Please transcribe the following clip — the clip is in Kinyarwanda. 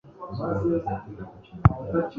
hari ubwo usanga umukozi nk'umwe